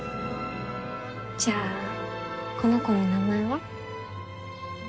じゃあこの子の名前は？